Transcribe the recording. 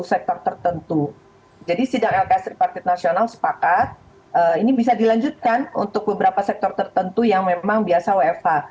sektor tertentu jadi sidang lks tripartit nasional sepakat ini bisa dilanjutkan untuk beberapa sektor tertentu yang memang biasa wfh